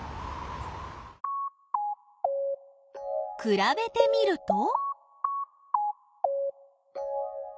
くらべてみると？